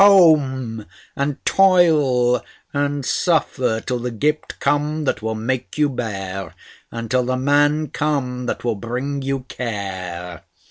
Home, and toil and suffer, till the gift come that will make you bare, and till the man come that will bring you care."